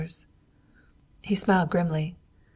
He smiled grimly.